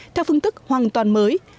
theo phương tức hoàn toàn mới